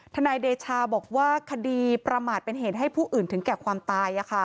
นายเดชาบอกว่าคดีประมาทเป็นเหตุให้ผู้อื่นถึงแก่ความตาย